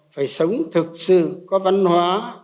phải sống thực sự có văn hóa